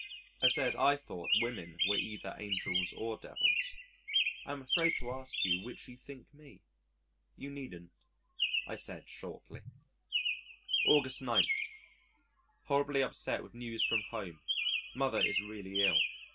I said I thought women were either angels or devils. "I am afraid to ask you which you think me." "You needn't," I said shortly. August 9. Horribly upset with news from home. Mother is really ill.